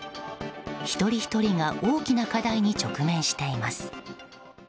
一人ひとりが大きな課題に直面しています。